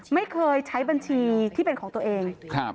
ไม่เคยใช้บัญชีที่เป็นของตัวเอง